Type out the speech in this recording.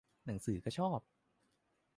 หนังสือก็ชอบ